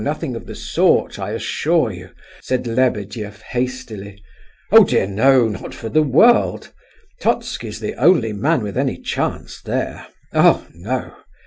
Nothing of the sort, I assure you!" said Lebedeff, hastily. "Oh dear no, not for the world! Totski's the only man with any chance there. Oh, no!